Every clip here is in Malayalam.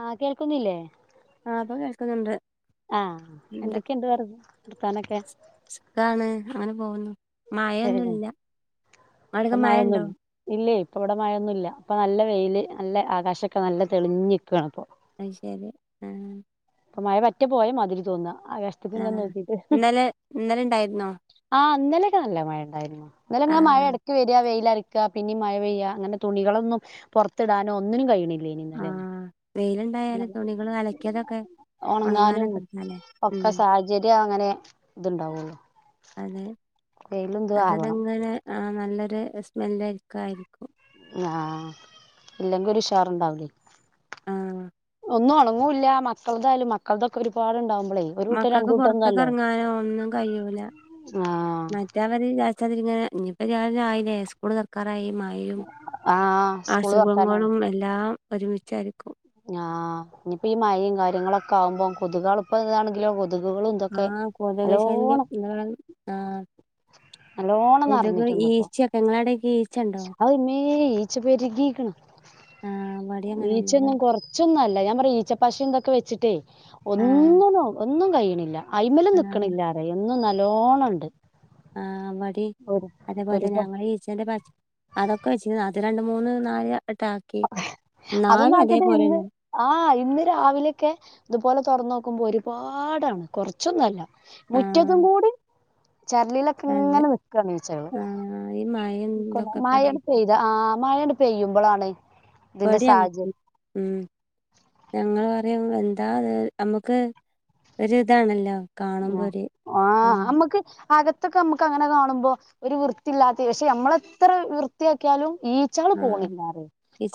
ആഹ് കേൾക്കുന്നില്ലേ ആഹ് ഇപ്പം കേൾക്ക്ന്നണ്ട് ആഹ് എന്തൊക്കെയ്ണ്ട് വർത്താനൊക്കെ സു ഖാണ് അങ്ങനെ പോകുന്നു ഏഹ് മയൊന്നുല്ല്യാ ഇപ്പൊ ആടൊക്കെ മയണ്ടോ? മഴയൊന്നുല്ല ഇല്ലേ! ഇപ്പവിടെ മഴൊന്നുല്ല ഇപ്പൊ നല്ലെ വെയില് നല്ല ആകാശൊക്കെ നല്ലെ തെളിഞ്ഞ്ക്കാണ് ഇപ്പൊ അയ്ശെരി ആഹ് ഇപ്പൊ മഴ പറ്റ പോയ മാതിരി തോന്നാ ആകാശ ആ ഇന്നലെണ്ടായിരുന്നോ? ആ ഇന്നലൊക്കെ നല്ല മഴയിണ്ടായിരുന്നു ഇന്നലെ ഇങ്ങാ മഴ ആഹ് എടക്ക് വരാ വെയിലറക്കാ പിന്നെ മഴ പെയ്യാ അങ്ങനെ തുണികളൊന്നും പുറത്തിടാനോ ഒന്നിനും കഴിയിണില്ലേണീ ഇന്നലെ ഒന്നും ആ വെയിലുണ്ടായാല് തുണികള് അലക്കിയതൊക്കെ ഒണങ്ങാനും ഉണങ്ങാനൊക്കെ എടുക്കാല്ലേ ഉം ഒക്കെ സാഹചര്യം അങ്ങനെ ഇതുണ്ടാവുള്ളൂ അതെ ആവണം അതതെങ്ങനെ ആ നല്ലൊരു സ്മെല്ലൊക്കായിരിക്കും ആഹ് ഇല്ലെങ്കിൽ ഒരുഷാറുണ്ടാവൂല ആഹ് ഒന്നും ഉണങ്ങൂല്ല മക്കളതായാലും മക്കളതൊക്കെ ഒരുപാട്ണ്ടാവുമ്പോളേ മക്കക്ക് പൊറത്തക്കെറങ്ങാനോ ഒന്നും കയ്യൂല ആഹ് മറ്റെ അവർ വിജാരിച്ചാരിങ്ങനെ ഇനിപ്പ ആയീലെ സ്കൂള് തൊർക്കാറായി ആഹ് സ്കൂള് തൊറക്കാനായി അസുഖങ്ങളും എല്ലാം ഒരുമിച്ചായിരിക്കും ആഹ് ഇനിയിപ്പോ ഈ മയേം കാര്യങ്ങളൊക്കെ ആവുമ്പോ കൊതുകൾ ഇപ്പ ഇതാണെങ്കിലോ കൊതുകുകളും ഇതൊക്കെ ആഹ് കൊതുക് ശല്യം നല്ലോണം ആഹ് നല്ലോണം കൊതുക് ഈച്ചയൊക്കെ ഇങ്ങളവടെയെക്കെ ഈച്ച ഉണ്ടോ ആവുമ്മേ ഈച്ച പെരുകിക്ക്ണ് ആഹ് ഇവടേം ഈച്ച അങ്ങനെന്നെ ഒന്നും കൊറ കൊറച്ചൊന്നുംല്ല ഞാൻ പറയാ ഈച്ചപ്പശം ഇന്തൊക്കെ വെച്ചിട്ടേ ആഹ് ഒന്നും ഒന്നും കഴിയണില്ല ആഹ് ഐമ്മലൊന്നിക്കണില്ലാറയാ എന്നും നല്ലോണണ്ട് ആ മടി അതേപോലെത്തന്നെ ഒരുപാ ഞമ്മ ഈച്ചന്റെ അതൊക്കെ വെച്ച് അത് രണ്ട് മൂന്ന് നാല് അങ്ങട്ടാക്കി അതൊന്നും ഇന്നാലും ആക്കിട്ട് ഇന്ന് അതേപോലെന്നെ ആഹ് ഇന്ന് രാവിലെയൊക്കെ ഇതുപോലെ തുറന്ന് നോക്കുമ്പോ ഒരുപാടാണ് കൊറച്ചൊന്നുല്ല മുറ്റത്തും ആഹ് കൂടി ചെരലിലൊക്കെ ഇങ്ങനെ നിക്കാണ് ഈച്ചകള് ആ ഈ മയെ മഴങ്ങട് പെയ്യുമ്പോളാണ് ഇതിന്റെ ഇബടെം സാഹചര്യം അങ്ങനെത്തന്നെ ഞങ്ങളറയും എന്താ അത് അമ്മക്ക് ഒരുരിതാണല്ലോ ആ ആഹ് അമ്മക്ക് അകത്ത് അമ്മക്ക് അങ്ങനെ കാണുമ്പോ ഒരു വൃത്തിയില്ലാത്ത പക്ഷെ അമ്മളെത്ര വൃത്തിയാക്കിയാലും ഈ ഈച്ചകള് ആഹ് പോണില്ലാ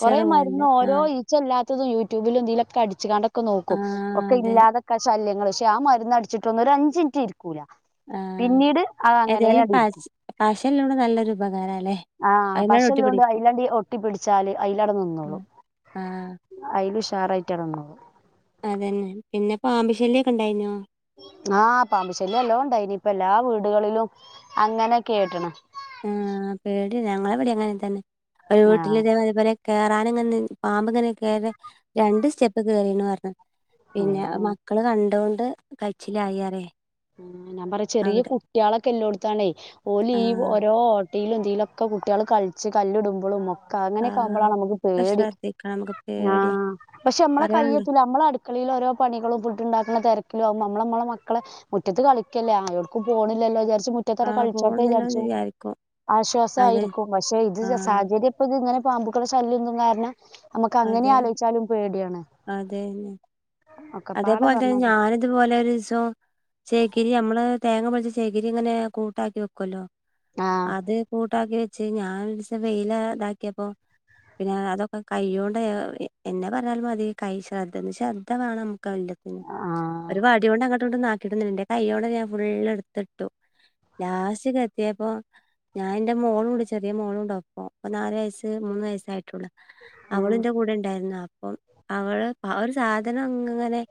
കൊറെ പോണത് മരുന്ന് ഓരോ ആഹ് ഈ ഈച്ചല്ലാത്തതും യൂട്യൂബിലും എന്തീലൊക്കെ അടിച്ചക്കെ നോക്കും ആഹ് ഒക്കെ അതെ ഇല്ലാതെക്കാ ശല്യങ്ങളെ ആ മരുന്ന് അടിച്ചിട്ട് ഒന്നൊരു അഞ്ച്നിറ്റ് ഇരിക്കൂല പിന്നീട് അത് അങ്ങനെ അങ്ങിരിക്കും. പശെല്ലലൊരു നല്ലൊരു ഉപകാരാല്ലേ ആഹ് അയിമേണ്ട് ഒട്ടി പശല്ലോണ്ട് പിടിക്കും അയിലണ്ടി ഒട്ടി പിടിച്ചാല് അയിലാടെ നിന്നോളും ആഹ് അയില് ഉഷാറായിട്ടടെനിന്നോളും അതന്നെ പിന്നെ പാമ്പ് ശല്യൊക്കെ ഉണ്ടായീനോ? ആഹ് പാമ്പുശല്യം നല്ലോ ഉണ്ടായിനി ഇപ്പെല്ലാ വീടുകളിലും അങ്ങനെയൊക്കെ കേട്ടണ് ആഹ് പേടിയാ ഞങ്ങളെവിടെ അങ്ങനെത്തന്നെ ഒരു ആഹ് വീട്ടിലേ അതേപോലെ കേറാനിങ്ങനെ നിന്ന് പാമ്പ് ഇങ്ങനെ കേറ രണ്ട് സ്റ്റെപ്പ് കേറീണുപറഞ്ഞ് പിന്നെ മക്ക ഉം മക്കള് കണ്ടോണ്ട് കയിച്ചിലായിറേയ് ആ ഞാൻ പറയാ ചെറിയ കുട്ടികളൊക്കെ ഇല്ലോടത്താണേ ഓല് ഈ ആഹ് ഓരോ കുട്ടീലും ഇതിലൊക്കെ കുട്ടികൾ കളിച്ച് കല്ലിടുമ്പോഴും ഒക്കെ അങ്ങനെയൊക്കെ ആഹ് ആവുമ്പോളാണ് അമ്മക്ക് ഒക്കെ പേടി. ശ്രദ്ധിക്കണം നമുക്ക് ആ പേടിയാ പക്ഷെ അമ്മളെ പറയാണ്ടോ കയ്യത്തുല്ല നമ്മള അടുക്കളീല് ഓരോ പണികളും ഫുഡുണ്ടാക്കുന്ന തിരക്കിലും ആവുമ്പോ അമ്മളമ്മളെ മക്കളെ മുറ്റത്ത് കളിക്കല്ലേ ആ എവടക്കും പോണില്ലല്ലോ എന്ന് വിചാരിച്ച് ഇത്ര ആഹ് കളിച്ചോട്ടെ പോണന്നല്ലോന്ന് വിചാരിച്ചും വിചാരിക്കും അതെ ആശ്വാസായിരിക്കും പക്ഷെ ഇത് ആഹ് സാഹചര്യം ഇപ്പ ഇത് ഇങ്ങനെ പാമ്പുകളെ ശല്യന്നും കാരണം നമ്മക്ക് അങ്ങനെ അതെ ആലോയിച്ചാലും പേടിയാണ് അതന്നെ ഒക്കെപ്പാടെ അതേപോലെ പറഞ്ഞത് ഞാന് ഇതുപോലെ ഒരീസം ചെകരി നമ്മളെ തേങ്ങ പൊളിച്ച ചെകരി ഇങ്ങനെ കൂട്ടാക്കി വെക്കൊല്ലോ ആഹ് അത് കൂട്ടാക്കി വെച്ച് ഞാൻ ഒരീസം വെയില് ഇതാക്കിയപ്പം പിന്നെ അതൊക്കെ കയ്യോടെ എന്നെ പറഞ്ഞാലും മതി കൈ ശ്രദ്ധന്ന് ശ്രദ്ധ വേണം ആഹ് ഒര് ആഹ് വടിയോണ്ട് അങ്ങട്ടും ഇങ്ങട്ടും ഒന്നാക്കീട്ടൊന്നുല്ല ഇന്റെ കയ്യോണ്ടന്നെ ഞാൻ ഫുള്ള് ഇട്ത്ത്ട്ടു ലാസ്റ്റ് ക്കത്തിയപ്പൊ ഞാന് ഇന്റെ മോള്ണ്ട് ചെറിയ മോളുണ്ട് ഒപ്പം ഇപ്പ നാല് വയസ്സ് മൂന്ന് വയസ്സായിട്ടൊള്ളു അവളിന്റെ കൂടെ ഇണ്ടായിരുന്നു അപ്പം അവള് ഒര് സാധനംങ്ങനെ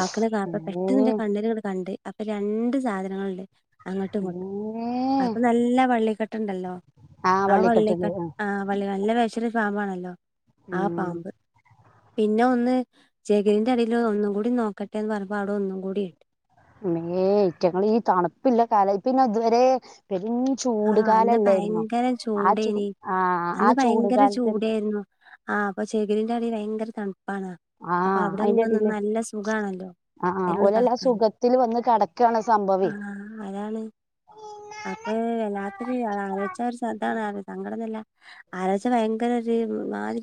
ആക്ക്ണ കാണട്ട ഉമ്മേ പെട്ടെന്ന്ന്റെ കണ്ണിലിങ്ങട്ട് കണ്ട് അപ്പ രണ്ട് സാധനങ്ങള്ണ്ട് അങ്ങട്ടും ഇങ്ങട്ടും ഉമ്മേ അപ്പ നല്ല വള്ളിക്കെട്ട്ണ്ടല്ലോ ആഹ് ആ വള്ളിക്കെട്ടുണ്ട് വള്ളികെ ആഹ് വള്ളി ആ നല്ല വെഷ രു പാമ്പാണല്ലോ ആ ഉം പാമ്പ് പിന്നെ ഒന്ന് ചെഗൺ ന്റെ അടീല് ഒന്നും കൂടി നോക്കട്ടെന്ന് പറഞ്ഞപ്പോ അവിടെ ഒന്നുംകൂടിം മ്മേ ഐറ്റങ്ങള് ഈ തണുപ്പ്ല്ല കാല പിന്നെ ഇതുവരെ പെരും ആഹ് അന്ന് ചൂട്കാലല്ലായിുന്നൊ ഭയങ്കര ആ ചു ചൂടേനി ആഹ് ആ അന്ന് ഭയങ്കര ചൂടുകാലത്തചു ചൂടായിരുന്നു ആഹ് ഇപ്പ ചെകിരിന്റെ അടീല് ഭയങ്കര തണ്പ്പാണ് അപ്പ ആഹ് അയിന്റെ അവിടെങ്ങനെ എടീല് നിന്നാ നല്ല സുഖാണല്ലോ ആഹ് ആഹ് അതിനുള്ളിൽ ഓലല്ലാ കടക്കാൻ സുഖത്തില് വന്ന് കെടക്കാണ് സംഭവെയ് ആഹ് അതാണ് അപ്പൊ എല്ലാത്തിന് ആലോയിച്ചാ ഒരു ശ്രദ്ധവേണം സങ്കടന്നല്ല ആലോയിച്ചാ ഭയങ്കര ഒര്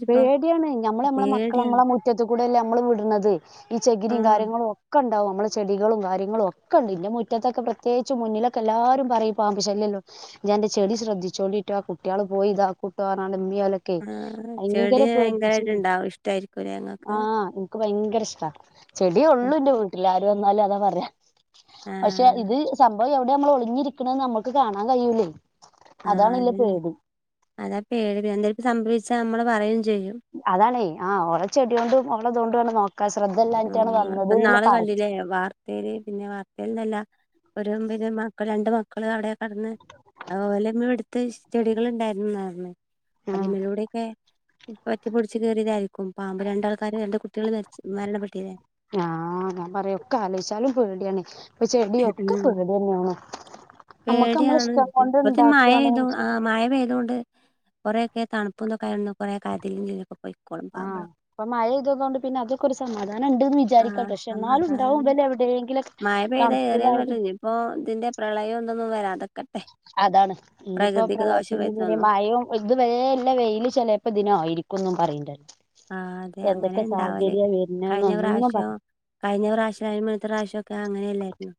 പേടിയാണ് ഞമ്മള് ഞമ്മളെ മക്കളെ മ്മളെ മുറ്റം- മുറ്റത്ത്കൂടെയല്ലേ അമ്മള് വിട്ണത് ഈ ചകിരിം ആഹ് കാര്യങ്ങളും ഒക്കെ ഇണ്ടാവും ഞ മ്മള് ചെടികളും കാര്യങ്ങളും ഒക്കെ ഇണ്ട് ഇന്റെ മുറ്റത്തൊക്കെപ്രത്യേകിച്ചും മുന്നിലൊക്കെ എല്ലാരും പറയും പാമ്പ് ശല്യല്ല്യോ ഇജ്ജന്റെ ചെടി ശ്രദ്ധിച്ചോണ്ടിട്ടൊ ആ കുട്ടിയാള് പോയി ഇതാക്കുട്ടോ ഇമ്മിം ഓലൊ ആഹ് ചെടി ഭയങ്കരായിട്ട് ഇണ്ടാവും. ഇഷ്ടായിരിക്കുലേ ഇങ്ങക്ക് ആഹ് ഇൻക്ക് ഭയങ്കര ഇഷ്ടാ. ചെടി ഒള്ളൂ ഇന്റെ വീട്ടില് ആര് വന്നാലും അതാ പറയാ പക്ഷെ പക്ഷേ ആഹ് ഇത് സംഭവം എവിടെ നമ്മള് ഒളിഞ്ഞിരിക്ക്ണ്ന്ന് അമ്മൾക്ക് കാണാൻ കയൂലേ അതാണ് ആഹ് ഇല്ല അതന്നെ പേടി അതാ പേടി എന്തേലുപ്പ സംഭവിച്ചാ നമ്മളെ പറയും ചെയ്യും അതാണേ ആ ഓളെച്ചെടിയോണ്ടും ഓളെതോണ്ടു ആണ് നോക്കാ. ശ്രദ്ധല്ലാട്ടാണ് വന്നത് ന്ന്ല്ല പറയും എ വാർ പുരയില് പിന്നെ വാർത്തേൽന്നല്ല ഒര് മ്മിന്റെ മക്ക രണ്ട് മക്കള് അവിടെ കട്ന്ന് ഓലമ്മ എട്ത്ത് വെച്ച ചെടികള് ഇണ്ടായിരുന്ന് ആഹ് അതിമ്മലൂടെക്കെ പറ്റി പുട്ച്ച് കേറിയതായിരിക്കും പാമ്പ് രണ്ടാൾക്കാര് രണ്ട് കുട്ടിയള് മര് മരണപ്പെട്ടിലെ ആഹ് ഞാൻ പറയാ ഒക്കെ ആലോയിച്ചാലും പേടിയാണ് ഇപ്പ ചെടി ഒക്കെ ഉം പേടിയെന്നേണ്. ഞമ്മക്ക് ഞ മ്മളെ ഇഷ്ടം കൊണ്ട് ഇണ്ടാക്കാണ് മയ പെയ്തോണ്ട് കൊറേയൊക്കെ തണുപ്പും ഇതൊക്കെയൊന്ന് കൊറേ അതിലിം ഇതിലിം ഒക്കെ പോയിക്കോളും പാമ്പുകൾ ഇപ്പ മഴയ്തുന്നോണ്ട് പിന്നെ അതക്കൊരു സമാധാനണ്ട് വി വി ആഹ് ചാരിക്കട്ടൊ പക്ഷെ ഷെ ഇന്നാലും ഇണ്ടാവും സമാധാനണ്ട് ഇവല് എവിടേങ്കിലൊക്കെ തണുപ്പിലായലും ഇപ്പോ ഇതിന്റെ പ്രളയം ഇതൊന്നും വരാതെക്കട്ടെ അതാണ് ഇനിയിപ്പോ പ്രകൃതിക് ദോഷം പ്രളയത്തിന് ഇതിന് വര്ണൊന്നും മഴയും ഇത് വരേ ഇല്ല വെയില് ചെലേപ്പം ഇതിനായിരിക്കുന്നും പറീണ്ട് ആഹ് അതെ അങ്ങനെ എന്തെക്കെ ഇണ്ടാവല് സാഹചര്യ വര്ന്ന് കഴിഞ്ഞ ഒന്നും പ്രാവശ്യം പറയാ കഴിഞ്ഞ പ്രാവ്ശ്യം അയിന് മുന്നത്തെ പ്രാവ്ശ്യം ഒക്കെ അങ്ങനെല്ലായിരുന്നൊ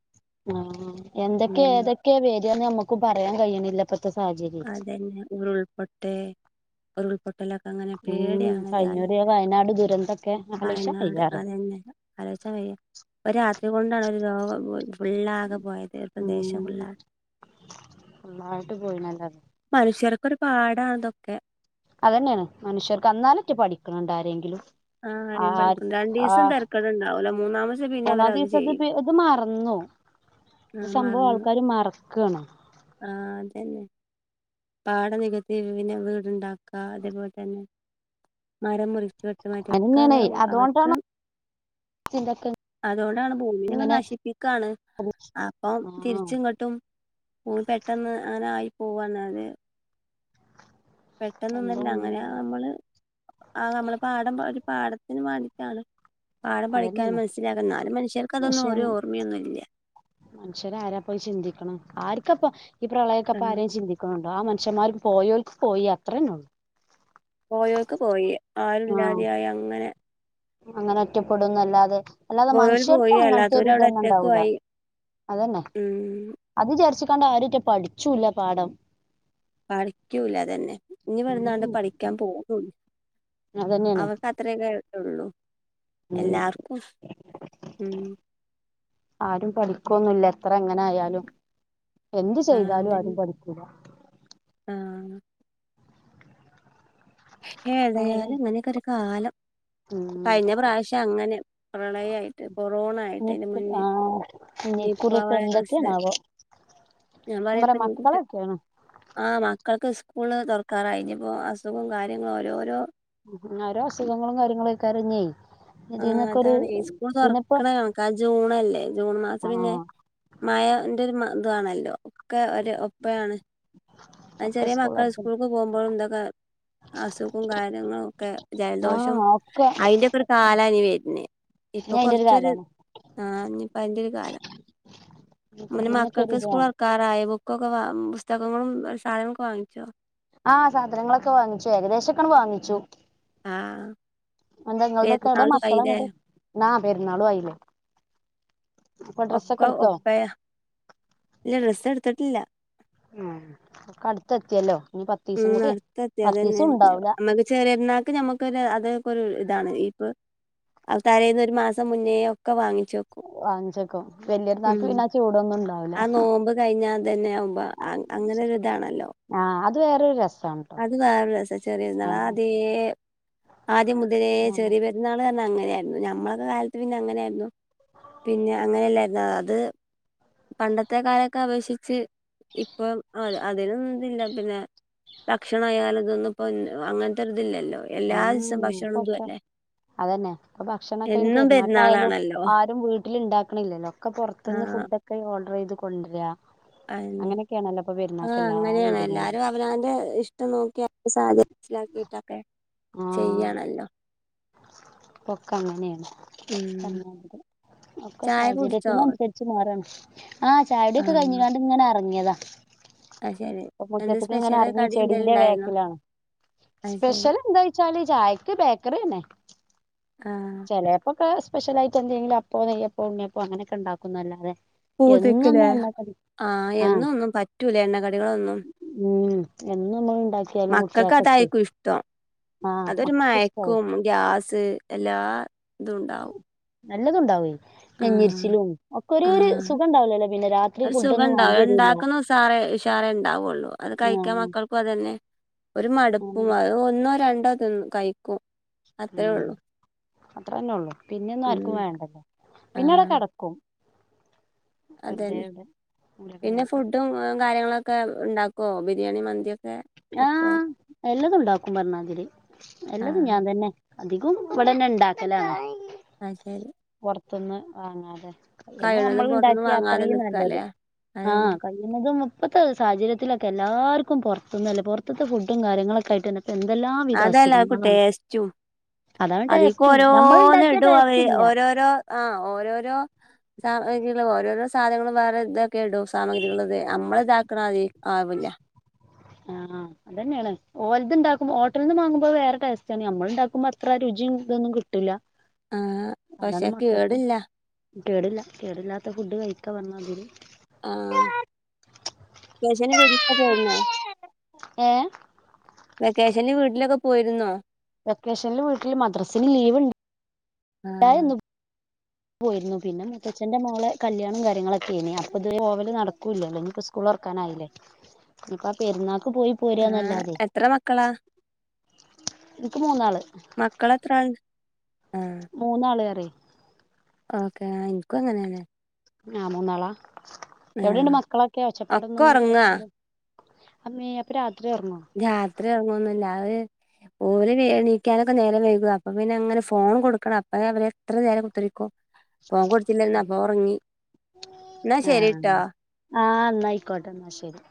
ആഹ് എന്തെക്കെ ഏതെക്കേ വരാന്ന് അമ്മക്ക് പറയാൻ കഴിയിണില്ലപ്പത്തെ സാഹചര്യം അതന്നെ ഉരുൾപൊട്ടെ ഉരുൾപൊ ട്ടലൊക്കെ അങ്ങനെ ഉം പേടിയാണ് യാലും കഴിഞ്ഞൂറി വയനാട് ദുരന്തൊക്കെ ആലോചിച്ചാ വയനാട് വയ്യാ അതന്നെ ആലോചാം വയ്യ ഒര് രാത്രി കൊണ്ടാണ് ഒരു ലോകം ഫുള്ളാകെ പോയത് പ്രദേശം ഫുള്ളാകെ ഒന്നായിട്ട് പോയിണല്ലോ അത് മനുഷ്യർക്കൊരു പാടാണ് ഇതൊക്കെ അതന്നെണ് മനുഷ്യർക്ക് അന്നാലറ്റെ പഠിക്ക്ണ് ഇണ്ടോ ആരെങ്കിലും ആഹ് ആരെയും ആര് പഠിക്കും ആ രണ്ടീസം തരക്കേടുണ്ടാവൂല മൂന്നാമത്തെ ദിവസം പിന്നെ മൂന്നാം അവരത് ദിവസം ചെയ്യും അത് ഇത് മറന്നു ഇത് ആഹ് സംഭവം മറന്നു ആൾക്കാര് മറക്കാണ് ആഹ് അതന്നെ പാട നികത്തി പിന്നെ വീടുണ്ടാക്ക അതേപോലെ തന്നെ മരം മുറി ചുവെട്ടുമാറ്റൊ ഒക്കെ അത് അതന്നെയാണേ അവർക്ക് ചിന്ത ക്ക് അതുകൊണ്ടാണ് ഭൂമിങ്ങെ നശിപ്പിക്കുകയാണ് അപ്പം ആഹ് തിരിച്ചും ങ്ങട്ടും പൂ പെട്ടെന്ന് അങ്ങനെ ആയി പോവാണ്ത് എന്താ പെട്ടെന്നൊന്നല്ല അങ്ങനെ ഇങ്ങനെ നമ്മള് ആ നമ്മള് പാടം ഒരു പാടത്തിന് വേണ്ടിയിട്ടാണ് പാഠം പഠിക്കാൻ അതന്നെയാണ് മനസ്സിലാകുന്ന ന്നാലും മനുഷ്യർക്ക് അതൊന്നും ഒരു ഓർമ്മയൊന്നും ഇല്ല മനുഷ്യരരാ പോയി ചിന്തിക്കണം ആർക്കപ്പ ഈ പ്രളയക്കപ്പ കാരണം ആരെയും ചിന്തിക്കണം ആ മനുഷ്യന്മാര പോയോൽക്ക് പോയി അത്രേന്നേ ഉള്ളൂ പോയോക്ക് പോയി ആഹ് ആരുല്ലാതെയായി അങ്ങനെ അങ്ങനെ ഒറ്റപ്പെടുന്നല്ലാതെ അല്ലാതെ പോയോര് മനുഷ്യർക്ക് പോയി അങ്ങനത്തെ അല്ലാത്തോര് അവിടെ ഇതന്നെ ഒറ്റക്കു ഉണ്ടാവൂല ആയി അതന്നെ ഉം അത് വിചാരിച്ചിക്കാണ്ട് ആരൂട്ടെ പഠിച്ചൂല്ല പാഠം പഠിക്കൂല അതന്നെ ഇനി വരുന്നാണ്ട് പഠിക്കാൻ പോകില്ല അതന്നെയാണ് അവർക്ക് അത്രയക്കഇത് ഉള്ളു എല്ലാർക്കും ഉ ആരും പഠിക്കുന്നുല്ല എത്ര എങ്ങനെ ആയാലും എന്ത് ആഹ് ചെയ്താലും ആരും അതന്നെ പഠിക്കില്ല ആഹ് ഏതായാലും ഇങ്ങനെ ഒക്കെ ഒരു കാലം ഉം കഴിഞ്ഞ പ്രാവശ്യം അങ്ങനെ പ്രളയായിട്ട് കൊറോണ ആയിട്ട് അതിന് മുന്നേ ആ നിപ്പ ഇക്കുറിയൊക്കെ വൈറസ് എന്തൊക്കെയാണാവോ ഞാൻ പറയാ പറയപ്പഞ് മക്കളൊക്കെയാണ് ആഹ് മക്കൾക്ക് സ്കൂള് തുറക്കാറായി ഇനിപ്പോ അസുഖം കാര്യങ്ങളും ഓരോരോ ഓരോ അസുഖങ്ങളും കാര്യങ്ങളുംക്കെരം ഇഞ് ആഹ് അതാണ് സ്കൂൾ തുറക്കണ കണക്കാ ജൂണല്ലേ ജൂൺ മാസം ആ പിന്നെ മഴന്റെ ഒരു ഇതാണല്ലോ ഒക്കെ ഒരു ഒപ്പയാണ് അ ഒക്കെ ചെറിയ സ്കൂൾ മക്കള ആ സ്കൂളക്ക് പോകുമ്പോഴും എന്തൊക്കെ അസുഖം കാര്യങ്ങളും ഒക്കെ ജലദോഷം ഒക്കെ അതിന്റെയക്കെ ഒരു കാലനി വരുന്നേ ഇപ്പൊ ഇഞ്ഞ് അയിന്റെ ഒരു കൊറച്ചൊരു കാലാണ് ആഹനിപ്പ അയിന്റെ ഒരു കാലം ഇഞ്ഞ് ഇപ്പൊ അനെ ഇതിന്നൊക്കെ ഒരു മക്കൾക്ക് ഇത് സ്കൂൾ വാണം തുറക്ക ക്കറായ ബുക്കൊക്കെ വാ പുസ്തകങ്ങളും സാധനൊക്കെ വാങ്ങിച്ചോ ആഹ സാധനങ്ങളൊക്കെ വാങ്ങിച്ചു ഏകദേശംക്കൊണ് വാങ്ങിച്ചു ആഹ് ന്താ ങ്ങൾതൊക്കെ എവിടെ പെരുന്നാളും മക്കൾ ആയില്ലേ ഇങ്ങട്ട് നാ പെരുന്നാളും ആയില്ലേ അപ്പൊ ഡ്രസ്സൊക്കെ ഒക്കെ എടുത്തോ ഒപ്പയാ ഇല്ല ഡ്രസ്സ് എടുത്തിട്ടില്ല ഉം ഒക്കെ അടുത്തെത്തിയല്ലോ ഇനി പ ഉം ആട്ത്തത്തി അതന്നെ നമുക്ക് ചെറിയരന്നാക്ക് നഞമ്മക്കൊരു അതൊക്കെ ഒരു ഇതാണ് ഈ ഇപ്പൊ അവ തരയിൽന്ന് ഒരു മാസം മുന്നേ ഒക്കെ വാങ്ങിച്ചു വെക്കും വാങ്ങിച്ചു വേക്കും ഉം വല്യർന്നാൾക്ക് ആ ചൂടൊന്നുംണ്ടാവൂല ആ നോമ്പ് കഴിഞ്ഞാ അ തന്നെ ആവുമ്പോ അങ്ങനെ ഒരു ഇതാണല്ലോ ആ അത് വേറെൊരു രസണ് അത് വെറെരസാ ചെറിയ പെരുനാൾ ആദേ ആദ്യം മുതലെ ചെറിയ പെ പെരുന്നാൾപറഞ്ഞ അങ്ങനെയാരുന്നു ഞമ്മളൊക്കെ കാലത്ത് പിന്നെ അങ്ങനെയാരുന്നു പിന്നെ അങ്ങനെയല്ലായിരുന്നു അത് പണ്ടത്തെ കാലോക്കെ അപേക്ഷിച്ച് ഇപ്പം അ അതിനൊന്നുംതില്ല പിന്നെ ഭക്ഷണ ആയാല ഇതൊന്നും ഇപ്പൊ അങ്ങനത്തെ ഒരു ഇതില്ലല്ലോ എല്ലാ ഉം ദിവസം ഭക്ഷണംതു ഇപ്പൊക്കെ അല്ലേ അതന്നെ ഇപ്പൊ ഭക്ഷണൊക്കെ ഇനി പെരുന്നാട്ടായാലും പെരുന്നാളാണല്ലോ ആരും വീട്ടില ഉണ്ടാക്കണില്ലല്ലോ ഒക്കെ പുറത്തൊന്ന് ആഹ് ഫുഡൊക്കെ ഓർഡർ ചെയ്ത് കൊണ്ടരാ അയന്നെ അങ്ങനെയൊക്കെയണല്ലോ അപ്പൊ പെരുന്നാക്ക് എല്ലാ വീടുകൾ അവനന്റെ ഇഷ്ടം നോക്കി സാഹചം മനസ്സിലാക്കിട്ടൊക്കെ ചെയ്യാണല്ലോ പൊക്ക അങ്ങനെയാണ് ഉം ഒന്നാമത് ഒക്കെ ചായ കുടിച്ചോ സാഹചര്യത്തിനനുസരി ച്ച്മാറാണ് ആ ചായാടിക്കെ ആഹ് കഴിഞ്ഞിങ്ങണ്ട് ഇങ്ങനെ എറങ്ങിയതാ അത് ശരി ഇപ്പ എന്ത് മുറ്റത്തിക്കിങ്ങനെ സ്പെഷ്യല് എറങ്ങി കടി എന്തേലും ചെടിന്റെ ഉണ്ടായിരുന്നോ വേക്കിലാണ് അത് ശരി സ്പെഷ്യലാന്താച്ചാല് ചായക്ക് ബേക്കറി തന്നെ ആഹ് എലപ്പക്കെ സ്പെഷ്യലായിട്ട് എന്തെങ്കിലും അപ്പോ, നെയ്യപ്പോ, ഉണ്ണിയപ്പോ, അങ്ങാനെക്കെ ഇണ്ടാക്കുന്നല്ലാതെ എന്നൊന്നും പൂദിക്കിലെ ഉണ്ടാക്കല് ആഹ് എന്നുന്നും പറ്റൂല എണ്ണ കടികളൊന്നും ഉം എന്നു നമ്മള് ഇണ്ടാക്കിയാലും മക്കൾക്ക് കുട്ടിയാക്കാക്കെ അതായിരിക്കും ഇഷ്ടം അതൊരു മയക്കോ ഗ്യാസ് എല്ലാ ഇതുണ്ടാവും നല്ലതുണ്ടാവേ ആഹ് നെഞ്ഞെരിച്ചിലും ഒക്കെ ഒരു ഒരു ആഹ് സുഖണ്ടാവലല്ലേ പിന്നെ രാത് ഒരു സുഖണ്ടാവ ഇണ്ടാക്കുന്ന സാറെ ഇഷാറെ ഉണ്ടാവുള്ളു അത് കഴിക്കാൻ ആഹ് മക്കൾക്കും അത് തന്നെ ഒരു മടുപ്പും അത് ഒന്നോ രണ്ടോ തിന്ന് കഴിക്കു അത്രറെ ഒള്ളു അത്ര തന്നേഒള്ളൂ പിന്നെയൊന്നും ആർക്കും വേണ്ടല്ലേ പിന്നെ ആഹ് അടെകേടക്കും വെറുതെടെ ഇതെക്കെ നടക്കു ട്ടും കാര്യങ്ങളൊക്കെ ഇണ്ടക്കോ ബിരിയാണി മന്തിയൊക്കെ വെക്കോ ആഹ് എല്ലതും ഇണ്ടാക്കുപർണാഗിരി എല്ലതും ആഹ് ഞാതന്നെ അധികം ഇവിടെന്നെ ഇണ്ടാക്കലാണ് ആഹ് ശെരി പോർത്തിന്ന് വാങ്ങാതെ കയിന്നെ കഴിയണതും പുറത്തുന്ന് നമ്മളിണ്ടാക്കിയ വാങ്ങാതെ അത്രയും നല്ലത് നിക്കാല്ലേ ആഹ് അതന്നെ ക ഴിക്കുതും ഇപ്പത്തെ സാഹചര്യത്തിലൊക്കെ എല്ലാർക്കും പോർത്തൊന്നല്ല പുറത്തത്തെ ഫുഡും കാര്യങ്ങളൊക്കായിട്ടന്നെ ആതെലർക്കും ടെസ്റ്റും അതാണ് അതിക്ക് ടേസ്റ്റും നമ്മൾ ഉണ്ടാക്കിയ ഓരോന്നിടു ടേസ്റ്റ് അവേര് ഇല്ല ഓരോരോ ആഹ് ഓരോരോ സഹജികളും ഓരോരോ സാധനങ്ങളും വേറെ ഇതൊക്കെ ഇടു സാമഗ്രികള്തെ അമ്മള് ഇതാക്കണതെ ആവില്ല ആഹ് അത്തന്നെയാണ് ഓൽത് ഇണ്ടാക്കുബോ ഹോട്ടലിന്ന് മാങ്ങുമ്പോ വേറെ ടാസ്റ്റാണ് നമ്മളിണ്ടാക്കുമ്പോ അത്ര രുചി ഇതൊന്നും കി വിട്ടില്ലാ ആ അതാണ് പക്ഷെ മക്കക്കു കേടില്ല കേടില്ല കേടില്ലാത്ത ഫുഡ് കഴിക്കാപർണ്ണ അതിന് ആഹ് കേജാനി വീടപ്പുക്കെ കഴിഞ്ഞോ ഏഹ് വെക്കേഷന് വീട്ടിലൊക്കെ പോയിരുന്നോ വെക്കേഷനില് വീട്ടില് മദ്രാസില് ലീവി ആ ണ്ടായിന്നു പോ യിരുന്നു പിന്നെ മുത്തച്ഛന്റെ മോളെ കല്യാണം കാര്യങ്ങളൊക്കെ ആയിനെ അപ്പ ഇതു പോവല് നടക്കൂല്ലല്ലോ ഇനിപ്പാ സ്കൂ സ്കൂളൊർക്കാനായിലെ ഇനിപ്പ പെരുന്നാക്ക് പോയി ആ പോരന്നല്ലാതെ എത്ര മക്കളാ നിക്ക് മൂന്നാള് മക്കളെത്രാൾ ആഹ് മൂന്നാള് അറിം ഓക്കെ നിക്കും അങ്ങനെന്നെ ആഹ് മൂന്നാള എവിടെണ്ട് മക്കളൊക്കെ ആ ഒച്ചപ്പാടൊന്നു ഒക്കെ ഒന്നു ഉറങ്ങാ കേക്കാല്ല്യ അമ്മേ അപ്പ രാത്രി ഒർങ്ങോ രാത്രി ഒർങ്ങൊന്നില്ല അവ്- ഓര് വേ നീക്കാനൊക്കെ നേരം വൈകും അപ്പൊ പിന്ന അങ്ങനെ ഫോണും കൊടുക്കണം അപ്പ അവരെത്ര നേരം കുത്തിരിക്കും ഫോൺ കൊട്ത്തില്ലന്ന അപ്പൊറങ്ങി ഇന്ന ശരിട്ടൊ ആഹ് ഇന്നയ്ക്കോട്ടെ ഇന്ന ശരി